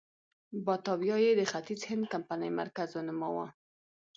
باتاویا یې د ختیځ هند کمپنۍ مرکز ونوماوه.